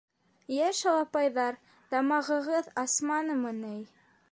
— Йә, шалапайҙар, тамағығыҙ асманымы ни?